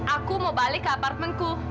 aku mau balik ke apartemenku